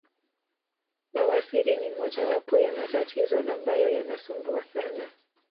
Bawasiri ni mojawapo ya matatizo ambayo yanasumbua sana